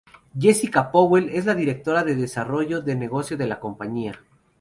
Jessica Powell es la directora de desarrollo de negocio de la compañía.